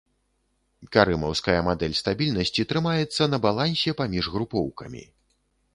Карымаўская мадэль стабільнасці трымаецца на балансе паміж групоўкамі.